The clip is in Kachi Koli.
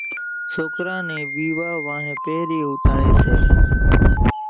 سوڪرا نِي ويوا وانھين پھرين ھوتاۿڻي سي۔